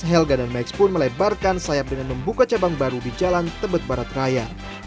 helga dan max pun melebarkan sayap dengan membuka cabang baru di jalan tebet barat raya